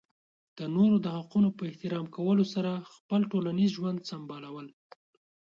د نورو د حقونو په احترام کولو سره خپل ټولنیز ژوند سمبالول.